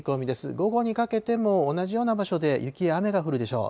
午後にかけても同じような場所で雪や雨が降るでしょう。